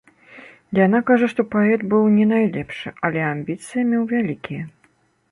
Яна кажа, што паэт быў не найлепшы, але амбіцыі меў вялікія.